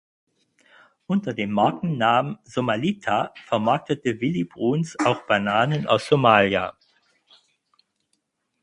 Unter dem Markennamen "Somalita" vermarktete Willi Bruns auch Bananen aus Somalia.